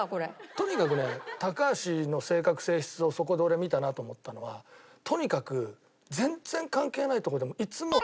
とにかくね高橋の性格性質をそこで俺見たなと思ったのはとにかく全然関係ない所でも。